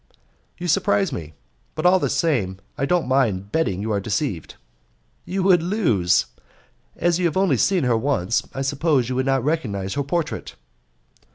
"You surprise me; but all the same I don't mind betting you are deceived." "You would lose. As you have only seen her once, I suppose you would not recognize her portrait?"